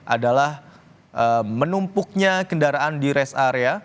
adalah menumpuknya kendaraan di rest area